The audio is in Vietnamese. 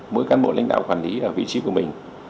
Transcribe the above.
mỗi cán bộ lãnh đạo quản lý ở vị trí của mình